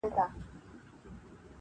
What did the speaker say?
نسته له میرو سره کیسې د سوي میني-